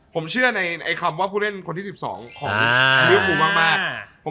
ผมเชื่อในคำว่าผู้เล่นคนที่๑๒ของลิวฟูมาก